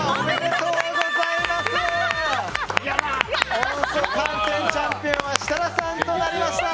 音速飯店チャンピオンは設楽さんとなりました！